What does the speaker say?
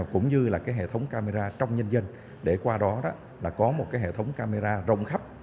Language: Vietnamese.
cũng như hệ thống camera trong nhân dân để qua đó có một hệ thống camera rộng khắp